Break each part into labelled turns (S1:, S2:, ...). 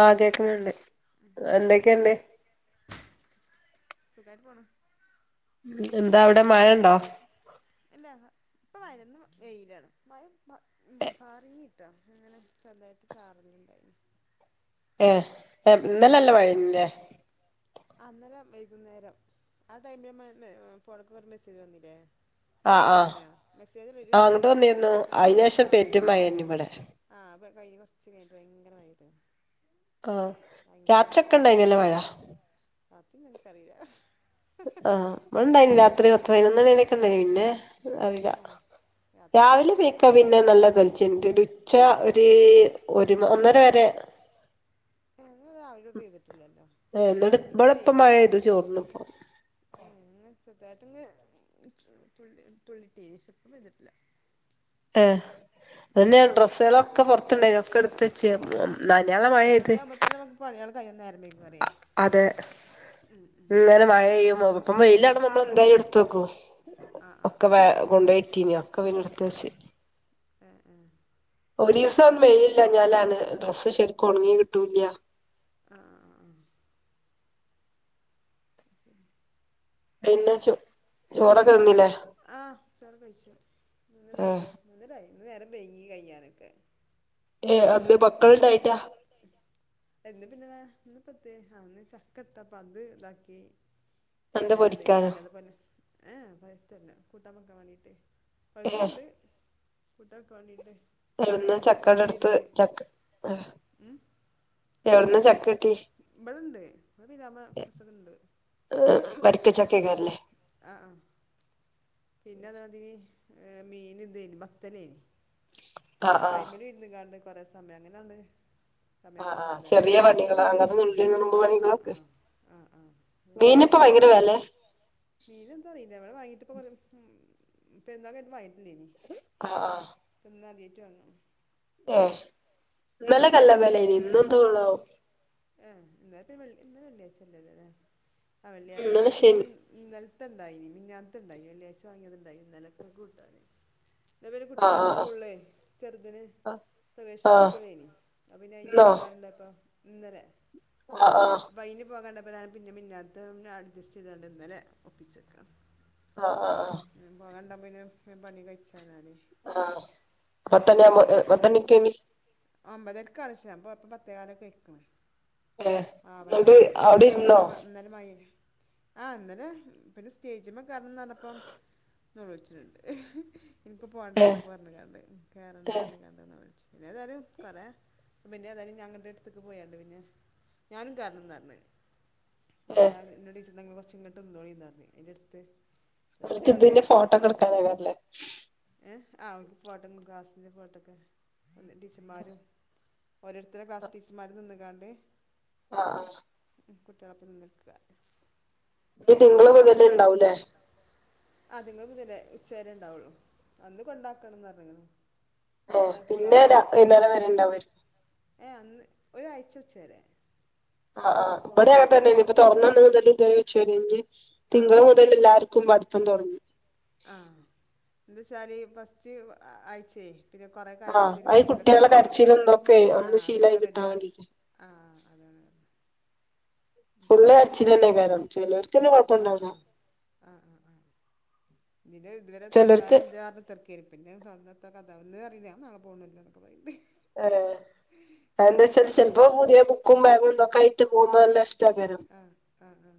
S1: ആ കേക്ക്ണ് ണ്ട് എന്തൊക്കെണ്ട്
S2: സുഖായിട്ട് പോണു
S1: ഉം എന്താ അവിടെ മഴണ്ടോ
S2: വെയിലാണ് മഴ ഉം പ പറഞ്ഞി് രാത്രിങ്ങനെ ചെറുതായിട്ട് ചാറുന്നുണ്ടായിരുന്നു
S1: ഏ ഇന്നലെ നല്ല മഴേന്നുലേ
S2: അന്നലെ വൈകുന്നേരം ആ ടൈമില് നമ്മ ഫോണൊക്കൊക്കൊരു മെസ്സേജ് വന്നിലേ ഇതൊക്കെപ്പെന്തിനാ മെസ്സേജ് വരൊത് കളിപ്പിക്കൽ ശ്രമാ ആ കഴിഞ്ഞു കുറച്ച് കഴിഞ്ഞട്ട് ഭയങ്കര മയയ്ത്
S1: ആ രാത്രി ഒക്കെ ഉണ്ടായിനല്ലോ മഴ
S2: അത് നിനക്കറീല്ല
S1: ആഹ ഉണ്ടായിന് രാത്രി പത്ത് പതിനൊന്ന് മണിയണൊക്കെ ഉണ്ടായി പിന്നെ അറിയ രാവിലെ പിക്ക പിന്നെ നല്ല തലച്ചട്ട ഉച്ച ഒരു ഒരു ഒന്നര വരെ എന്ന ഇവിടെപ്പ മഴെയ്തു ചോർന്ന ഇപ്പോ
S2: കൃത്തായിട്ട തി തുള്ളിട്ട്പ്പ വതിട്ടില്ല
S1: ഏ അതെന്ന ഡ്രസ്സുകളൊക്കെ പൊറത്തല്ലേ ഒക്കെഎടുത്ത് നനയാതെ മഴയത്തു
S2: പളികൾ കൈ നേരം [unintelligible]
S1: അതെ ഇങ്ങനെ മഴെയുമ്പോ ഇപ്പം വെയ്ലാണ നമ്മള് എന്താ എടുത്തോക്കോ ഒക്കെ വ കൊണ്ട് യ്റ്റീനോ ഒക്കെ പിനെടുത്ത ച്ച
S2: ഉ ഉ [inaudible]
S1: ഒരുദിവസം വെയിലില്ലാഞാണ് ഡ്രസ്സ് ശെരിക്കും ഒണങ്ങി കിട്ടൂല്യ
S2: ആ [inaudible]
S1: പിന്നെ - ചോറ
S2: ആഹ ചോറ് കഴിച്ചു മൂന്നരയില്ലേ മൂന്നരായി ഇന്ന് നേരംവൈകിയണോ
S1: ഏ അത പ [unintelligible] മക്കൾണ്ടായിട്ടാ
S2: എന്ത് പിന്നൊ ഇന്ന് പത്തി അന്ന് ചക്ക ഇട്ടപ്പ അത് ഇതാക്കി നേരം വൈകി പിന്ന അത്പോലെ ഏ പൈത്തല്ല കൂട്ടാ പക്കാൻ വേണീട്ടേ [inaudible] പഴുതണ്ട് കുട്ടക്കണ്ടിട്ടേ
S1: എഴന്ന് ചക്കടെ എടുത്ത് ചക്ക ത്ത [unintelligible] എവിടന്ന് ചക്ക കി-
S2: ഇവിടെ ഇണ്ട് ഇടെ പിലാ മല അപ്പൊ ആഹ പിന്നെ അതതി [inaudible] ഏ മീൻ എന്തേന് മത്തി അപ്പൊ അയ്മലി ര്ന്ന് കാണ്ട [inaudible] കുറെേ സമയം അങ്ങനെ
S1: ആഹ ആ് ചെറിയ വടികള അങ്ങന
S2: ആഹ് ആഹ് ആഹ് ആഹ് ആഹ് അ നേരം വൈകി മീൻ എന്താറില്ല അടെ വാങ്ങിട്ട്പ്പ ഉ ഇപ്പ എന്താ വ [unintelligible] പിന്ന [unintelligible] ചലോ [unintelligible]
S1: ങ്ങ് നേ ഇന്നല്ല കല്ലപലയിന് ഇന്ന എന്തോ ഉള്ളോ
S2: ആ ഇന്നന്നെ ഇന്ന വെ ഒള അതതെ ആ വെള്ളിയ ഇന്നലെ പിന്നെ നൽ ത്തണ്ടായിനി മിഞ്ഞാത്തെ ഇണ്ടായി വെള്ളിയാഴ്ച വാങ്ങിയത്ണ്ടായി ഇന്നലക്കെ കൂട്ടാന് [unintelligible] ഒരു കുട്ടിടെ സ്കൂളിലേ ചെറുതിന് പ്രവശനോത്സവേനി അപ്പ പിന്നെ അയിന് പോകാനുണ്ടപ്പൊ ഇന്നലെ അപ്പയിന് പോകണ്ട [unintelligible] പിന്നെ പിന്നെ അത് അഡ്ജസ്റ്റ് ചെയ്തണ്ട് ഇന്നലെ ഒപ്പിച്ചേക്കാം
S1: വ ആഹ് ആ
S2: [unintelligible]
S1: ആഹ് [unintelligible]
S2: അമ്പതെക്കളശ അപ്പ അപ്പൊ പത്തേകാലൊക്കയ്ക്കണ്‌ ആ വണ്ടെ അറി [unintelligible] ആഹ് അന്നരം പിന്നെ സ്റ്റേജിമ്മെ കേറണംന്നറഞ്ഞപ്പോ [unintelligible] വെച്ചിട്ടുണ്ട് എനിക്ക് പോണ്ടാന്നൊക്കെ പറഞ്ഞിക്കാണ്ട് കെയറണ്ടാന്ന് കണ്ട്ന്ന് വെച്ച് ഏതാലും കൊറെ പിന്നേതായാലും ഞങ്ങടടുത്ത്ക്ക് പോയണ്ട് പിന്നെ ഞാനും കാരണം [unintelligible] അപ്പൊ ഞാൻ ന്നോട് ചോയ്ച്ച് നിങ്ങൾ വർ ങ്ങട്ട്ന്നൊള്ളിന്നറഞ്ഞു എന്റെടുത്ത്
S1: വർക്ക് ഇതിന്റെ ഫോട്ടോക്കെടുക്കാൻ [unintelligible]
S2: [unintelligible] ഫോട്ടം ക്ലാസ്സിന്റെ ഫോട്ടോഗ്രാഫ് ടീച്ചർമാരും ഓരോരുത്തർടെ ക്ലാസ്സ്‌ ടീച്ചർമാർ നിന്ന് കാൺ ഡെഹ്
S1: ആഅഹ്
S2: കുട്ടികളൊപ്പ നിന്നെട്ക്കാ
S1: നി തിങ്കള മുതല് ഇണ്ടാവൂലേ
S2: [unintelligible] ഉച്ചാരെ ഇണ്ടാവുള്ളു അന്ന് കൊണ്ടാക്കണംന്ന് പറഞ്ഞ്ക്കണ്
S1: ആഹ് പിന്നെടാ വൈന്നേരം വരെ ഇണ്ടാവാരിക്കും
S2: ഏഹ് അന്ന് ഒരാഴ്ച്ച ഉച്ച വരെ
S1: ആഹ് ഇവിടെ അങ്ങതന്നാണ് ഇപ്പ തൊറന്ന [unintelligible] ശരിഞ് തിങ്കൾ മുതൽ എല്ലാർക്കും പഠിത്തം തുടങ്ങി
S2: ന്ത്‌ച്ചാല് ഫസ്റ്റ് ആഴ്ച്ചെ പിന്നെ കുറെ കരച്ചില് പിടിച്ചിലൊക്കെണ്ടാവ്ന്നൊക്കെ ആഹ് അതൊക്കെ റെഡിയ ആഹ് അഹ് ആഹ് ആഹ് ഇതുവരെ തൊർക്കാനെന്തേ പറഞ്ഞു കുത്തിർക്കേനു പിന്നെ [unintelligible] അതെന്ന് അറീല ഞാൻ നാളെ പോണ്ല്ലാ എന്നൊക്കെ പറീണ്ട്
S1: ആലെ അതെന്താച്ചാല് ചെലപ്പോ പുതിയ ബുക്കും ബാഗും ഇതൊക്കെ ആയിട്ട് പോകുമ്പോ നല്ല ഇഷ്
S2: ആ ആആ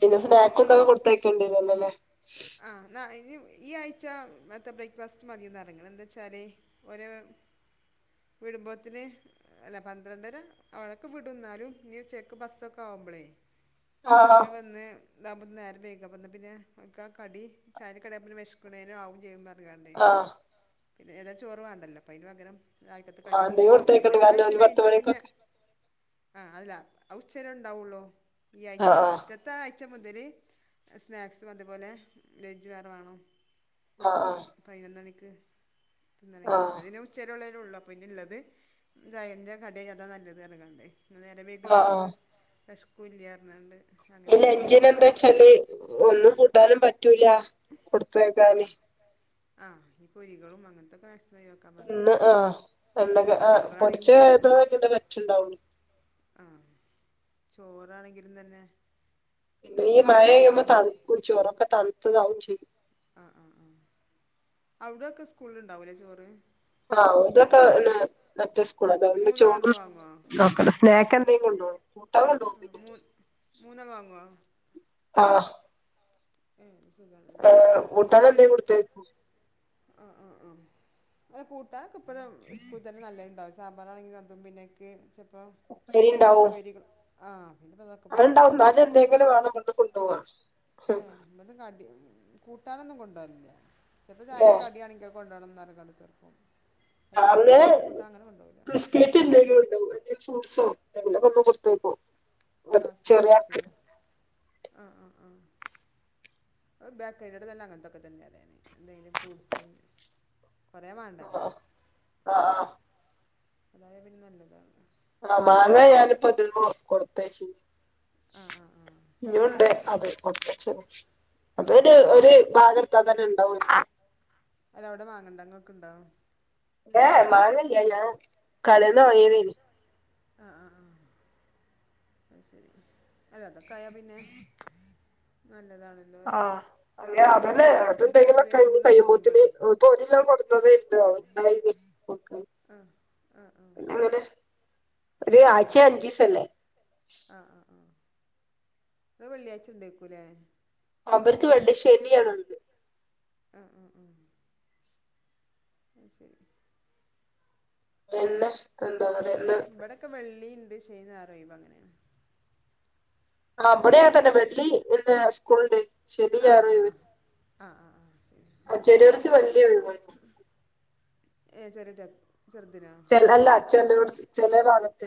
S1: പിന്നെ സ്നാക്കും ഇതൊക്കെ കൊടുത്തയക്കണ്ടരൊല്ലൊല്ലേ
S2: ഈ ആഴ്ച്ച മറ്റേ ബ്രേക്ക്ഫാസ്റ്റ് മതീന്ന് പർഞ്ഞ്ക്ക്ണ് എന്തച്ചാൽ ഓരാ വിടുംമ്പോത്തിന് അല്ല പന്ത്രണ്ടര അവടൊക്ക വിടും എന്നാലും ഇനി ചെക്ക് ബസ്സൊക്കെ ആവുമ്പളേ
S1: ആ ആ
S2: ഇതാവുമ്പോ നേരം വൈക പ്പന്ന പിന്നെ ക കടി ചായന്റെ കട പിന്നെ വിശക്ക്ണേനും ആവും ചെയ്യും പറ ഞ്ഞ് കാണ്ടെ ഇത് എതാ ചോറ് വേണ്ടല്ലോ അയ്ന്പകരം രാവിൽക്കത്തെ കടി കൊട്ത്തയച്ചമതി പിന്നെ ആ ആഴ്ച കഴിഞ്ഞിട്ട് പിന്നെ ആഹ് അതല്ല അഉച്ചവരെ ഉണ്ടാവുള്ളൂ ഈ ആഴ്ച ആയ്ച്ച മുതൽ സ്നാക്സും അത്പോലെ ലെൻജ് വേറെ വേണം
S1: ആഹ് ആഹ്
S2: ക്ക് വിടുന്നാണെങ്കിൽ ഇപ്പൊ പിന്നെ ഉച്ചവരെ ഉള്ളെ ഉള്ള പിന്നള്ളത് ഇതാ എന്റെ കട അതാ നല്ലത് പർഞ്ഞ്ക്കണ്ടേ നേരം വെയ്ക്ണോര്ക്ക് വെശ്കൂല്യ പർഞ്ഞോണ്ട്
S1: ലഞ്ചിന് ന്താച്ചാല് ഒന്നും കൂട്ടാനും പറ്റ് റ്റൂല കൊടുത്തയക്കാന്
S2: ആഹ് ഇ പൊരികളും അങ്ങൻതൊക്കെ
S1: ഇന്ന് ആഹ് എണ്ണക് ആ പൊരിച്ച ഐറ്റം കുട്ടിക്ക് പറ്റ്ണ്ടാവൂ
S2: ആഹ് ചോറാണെങ്കിലും തെന്നെ
S1: പിന്ന ഈ മഴ പെയ്യുമ്പോ തൺകും ചോറൊക്കെ തൺത് ഇതാകുഏ ചെയ്യും ചെയ്യും
S2: ആഹ് ആഹ് ഔടൊക്കെ സ്കൂള്ൽ ണ്ടാവൂലേ ചോറ്
S1: ആ ഇവിടത്തൊക്കെ എന്നാ മറ്റ്സ് [unintelligible] ചോറൊന്നും അങ്ങനെ നോക്കണ്ട സ്നേക്കെന് കേക്ക്ണ്ടോ
S2: മൂ മൂന്നാൾ വാങ്ങോ
S1: ആഹ്
S2: ഉം
S1: ആഹ് കൂട്ടാനെന്തേം കൊട്ത്തയ് ക്കോ
S2: ആ ആ ആ കൂട്ടാൻ ഇപ്പഴും സ്കൂൾ തന്നെ നല്ല ഉണ്ടാവ സാമ്പാറാണെങ്കിൽ തന്തും പിന്നേക്ക് അപ്പോ ഉപ്പേരികൾ ആ
S1: അത്ണ്ടാവും ന്നാലും എന്തെങ്കിലും വേണം ബട്ന്ന് കൊണ്ടോവാ
S2: അത് കടി കൂട്ടാനൊന്നും കൊണ്ടോലില്ല ചെൽപോ ചായന്റെ കടിയാണങ്കി കൊണ്ടോണെന്ന് പറഞ്ഞ് ക്കാണ്ട് ഇട്തെക്കും
S1: രാവിലെ ബിസ്കറ്റ് എന്തെങ്കിലും ഉണ്ടോവും അല്ലെങ്കിൽ ഫ്രൂട്ട്സോ കൊടുത്തേ പോ
S2: ആ സ്നാക്സിനാ ആ ആ ആ അ ബാക്ക് സൈഡായിട്ട തന്നെ അങ്ങനത്തൊക്കെ തന്നെ അല്ലെ എന്തെങ്കിലും ഫ്രൂട്ട്സ് കൊറേ വേണ്ടല്ലോ ഉ അതായത് പിന്നെ നല്ലതാണ്
S1: ആ മാങ്ങാ ഞാനിപ്പ തിന്നു കൊടുത്തയച്ച ഇഞ്ഞുണ്ട് അതെ കൊടുത്തയച്ച്ണ്. അതൊരു ഒരു ഭാഗട്ത്താ തന്നെ ഇ ണ്ടാവും.
S2: അല്ല അവിടെ മാങ്ങണ്ടോ ഇങ്ങക്ക് ഉണ്ടോ
S1: ഏ മാങ്ങല്ല ഞാൻ കടയിന്ന് വാങ്ങിയതാണ്
S2: ആ ആ ആ അ ശരി അല്ല അതൊക്കെ ആയാ പിന്നെ നല്ല
S1: ആ അങ്ങെ അതന്നെ അതെന്തെങ്കിലും ഒക്കെ ഇ കയിയുമ്പോത്തിന് ഇപ്പോ ഒരു കിലോ കൊട്ന്നതേനി അത് ണ്ടായി
S2: ഉം ഉം ഉം ആ ആ അത് വെള്ളിയാഴ്ച ഉണ്ടേക്കൂല്ലേ
S1: അവർക്ക് വെള്ളി ശെനി ആണ് ണ്ട്
S2: അ ആ ആ അത് ശരി
S1: പിന്നെ എന്താ പറയ്ന്ന്
S2: ള്ളി ശനി ഞായർ ഒയിവ് അങ്ങനെയാണ്.
S1: ആഹ് ഇബടെയും തന്നെ വെള്ളി പിന്നെ സ്കൂളിണ്ട്. ശനി ഞായറും ഒഴിവുണ്ട് ചെലേടത് വെള്ളിയുള്ളൂ ഒഴിവ്.
S2: ഏ ചെെറിയേക്കുട്ടി ചെർതിനോ
S1: ച്ചാണ്ട് കൊണ്ടെയികൊടുത്ത്.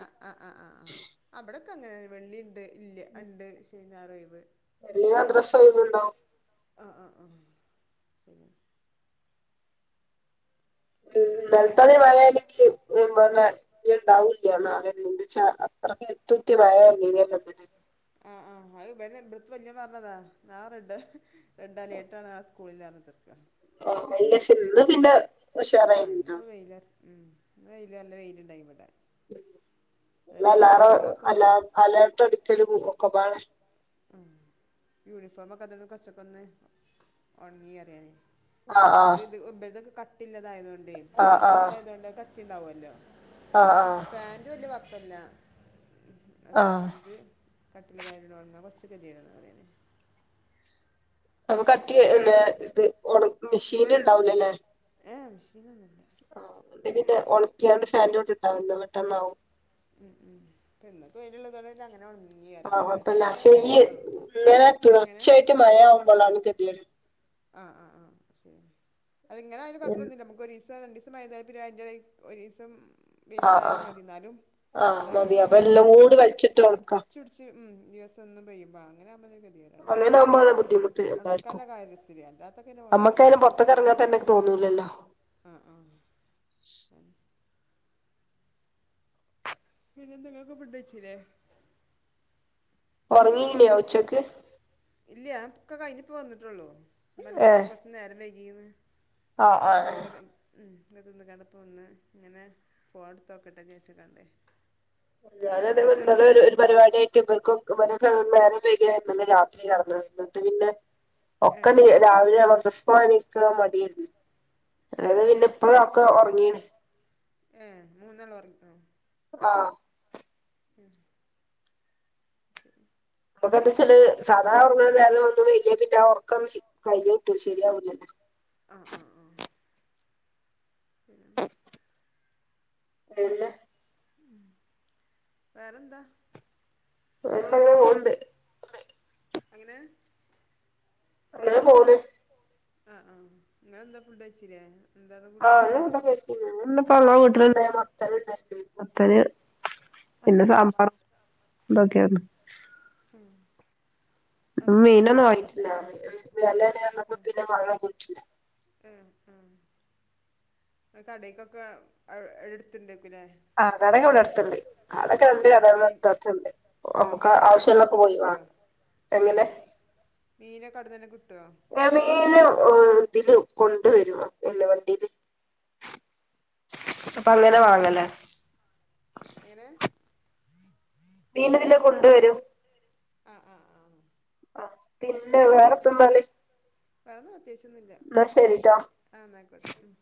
S2: അ അ അ ആ ആ അവിടെ ക്ക് അങ്ങനെ വെള്ളിണ്ട് ഇല്ല ഉണ്ട് ശനി ഞായറോ ഒഴിവ്.
S1: വെള്ളി മദ്രസ ഒയിവുണ്ടാവും.
S2: ആ ആ ആഹ് ശരി.
S1: ഇന്നലത്തെ മാതിരി മഴണെങ്കി ഇവിടെ ഇണ്ടാവൂല്ല്യ നാളെ എന്ത്ച്ചാ അത്രക്ക് ഒറ്ററ്റ മഴയല്ലേനിയോ. [unintelligible]
S2: ആഹ് ആഹ് അത് ഇവന് ഇവിടത്തെ വല്ല്യോൻ പറഞ്ഞതാ നാളെ റെഡ് റെഡ് അലേട്ടാണ് സ്കൂളില്ലാഞ്ഞത്.
S1: അല്ല പക്ഷെ ഇന്ന് പിന്നെ ഉഷാറയിനി ആഹ്
S2: ഇന്ന് വെയില് നല്ല വെയിലണ്ടായി ഇവടെ.
S1: ഉം. അലാറം അല അലേർട്ട് അടിക്കലും ഒക്കപാടെ
S2: ഉം യൂണിഫോം ഒക്കെ അതോണ്ട് കൊറച്ചക്ക ഒന്ന് ഒണങ്ങി പറിയാ നെ മറ്റേ ഇത് ഇബല്തൊക്കെ കട്ട് കട്ടില്ലതായതോണ്ടേ ടിഷർട്ട് ആയതോണ്ട് അത് ക കട്ടിണ്ടാവല്ലോ പാന്റ് വല്യ ക പിന്ന അതാന്ത് കട്ടിലതായിട്ട് ണങ്ങാൻ കൊ റച്ച് കെത്യേടാണ് അറ്ന്
S1: അപ്പൊ കട്ടി [unintelligible] ഇത് ഇത് ഒണ മിഷീന് ഇണ്ടാവുലലേ
S2: ഏ ഹ എ മിഷീനൊന്നുല്ല.
S1: ആഹ് മിഷിക്കിട്ട് ഒണക്ക്യാണ്ട് ഫാനിന്റെ ചോട്ട് ഇട്ടാമതി പെട്ടന്നാവും.
S2: ഉം ഉം പിന്നെ വെയിലുള്ളതോണ്ട് അങ്ങനെ ഒണങ്ങും.
S1: ആഹ് അപ്പാെ [unintelligible] ഇങ്ങനെ തുടർച്ചയായിട്ട് മഴയാവുമ്പോ ഉണ്ടാകുന്ന ഗെതികേട്
S2: ആഹ് ആഹ് ആഹ് ശരി അത്ങ്ങനെ ആയലും കുയപ്പൊന്നുല്ല നമക്ക് ഒരീസ സം രണ്ടീസം മഴപെയ്താൽ പിന്നെ അതിന്റെ ഇടയിൽ ഒരീസം വൈലുണ്ടായാലും മതി ന്നാലും
S1: ആഹ് മതി അപ്പൊ എല്ലാകൂടി വലിച്ചിട്ട് ഓണക്കാ
S2: ഉം ദിവസം ഒന്ന് പെയ്യുമ്പാ അങ്ങനെ [inaudible] [unintelligible] ആ ആ [unintelligible] ഫുഡ് വെച്ചില്ലേ
S1: ഉറങ്ങീല്ലായേ ഉച്ചക്ക്
S2: ഇല്ല്യാ [unintelligible] കഴിഞ്ഞിപ്പോ വന്നിട്ടെള്ളൂ [unintelligible] കുറച്ച് നേരം വൈകി [unintelligible] ചോറക്കെ ഉം [unintelligible] ഇങ്ങനെ പോവാണ്ടിരിക്ക [unintelligible]
S1: അതെ അതെ അതെ ഒര് പരിപാടിയായിട്ട് ഇവർക്കും ഇവരൊക്കെ [unintelligible] രാത്രി കെടന്നിട്ട് പിന്നെ ഒക്കെ നീ രാവിലെ [unintelligible] മടിയായിരുന്നു അത് പിന്നെ ഇപ്പം ഒക്കെ ഒറങ്ങീ [unintelligible]
S2: യെ മൂന്നാളും ഒറങ്ങിയോ
S1: ആ
S2: ഉം
S1: നമക്ക് എന്താ വെച്ചാല് സാധ ഒറങ്ങാണാ നേരെന്ന് വൈകിയാ പിന്നെ ഉറക്കം ശി [unintelligible] ശെരിയാവൂല്ലെ
S2: ആ ആ ആ [unintelligible]
S1: എല്ലാ
S2: ഉം വേറെ എന്താ
S1: [unintelligible] പോണ്ട്
S2: അങ്ങനെ
S1: അങ്ങനെ പോന്ന്
S2: ആാ ആാ [unintelligible]
S1: ആ ഇന്ന് കുട്ടാനെക്കെ വെച്ച് ഇന്ന് വീട്ടിലുണ്ടായാ മത്തനുണ്ടാരുന്ന് മത്തനാ പിന്നാ സാമ്പാറ് ഇതൊക്കെയാര്ന്നു
S2: ഉം
S1: മീനൊന്നും വാങ്ങിട്ടില്ലാ വെലയാണ വന്നപ്പോ പിന്നെ വാങ്ങൻ പോയിട്ടില്ലാ
S2: ഉം ഉം കടയൊക്കെ ആ എടുത്തിട്ട്
S1: ആാ കടയെക്കെ ഇവടെ അടുത്തണ്ട് കടയെക്കെ രണ്ട് കടകള് അടുത്ത്ണ്ട് നമക്ക് ആവശ്യള്ളൊപ്പോ പോയി വാങ്ങാ എങ്ങനെ [unintelligible] ഉം ഇതില് കൊണ്ട് വെരുവാ ഇല്ലാ വണ്ടിയില് അപ്പം അങ്ങനെ വാങ്ങ, ലാ
S2: എങ്ങനെ
S1: മീൻ ഇതിലെ കൊണ്ട് വെരും
S2: അ അ ആ
S1: ആ പിന്ന വേറെത്തന്നാല്
S2: ആന്ന [unintelligible] ആന്നയിക്കോട്ടെ ഉം